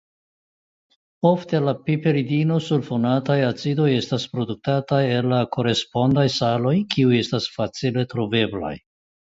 Ofte la piperidinosulfonataj acidoj estas produktataj el la korespondaj saloj kiuj estas facile troveblaj.